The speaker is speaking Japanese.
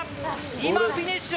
今、フィニッシュ。